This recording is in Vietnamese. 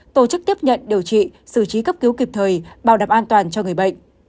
tổ chức tiếp nhận điều trị xử trí cấp cứu kịp thời bảo đảm an toàn cho người bệnh